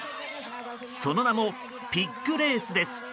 その名もピッグレースです。